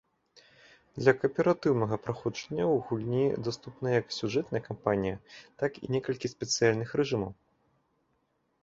Для кааператыўнага праходжання ў гульні даступная як сюжэтная кампанія, так і некалькі спецыяльных рэжымаў.